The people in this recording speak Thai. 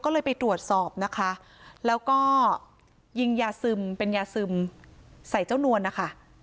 ก็เลยไปตรวจสอบนะคะแล้วก็ยิงยาซึมเป็นยาซึมใส่เจ้านวลนะคะ